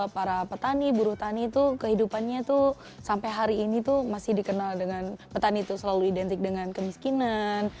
para petani buruh tani itu kehidupannya tuh sampai hari ini tuh masih dikenal dengan petani itu selalu identik dengan kemiskinan